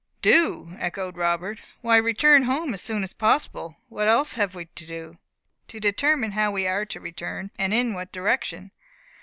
"Do!" echoed Robert, "why return home as soon as possible. What else have we to do?" "To determine how we are to return and in what direction."